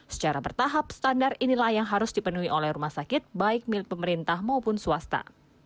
secara bertahap standar inilah yang harus dipenuhi oleh rumah sakit baik milik pemerintah maupun swasta